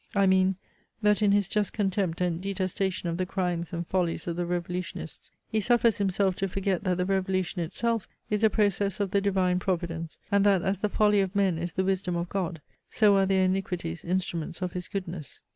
I mean, that in his just contempt and detestation of the crimes and follies of the Revolutionists, he suffers himself to forget that the revolution itself is a process of the Divine Providence; and that as the folly of men is the wisdom of God, so are their iniquities instruments of his goodness.